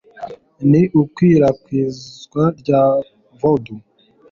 ni ikwirakwizwa rya Vodu,